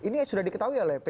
ini sudah diketahui oleh p tiga